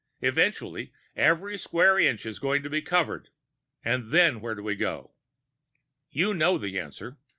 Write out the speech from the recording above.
Eventually every square inch is going to be covered, and then where do we go? "You know the answer.